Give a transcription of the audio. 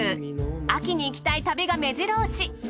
秋に行きたい旅が目白押し。